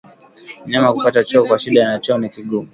Mnyama kupata choo kwa shida na choo kigumu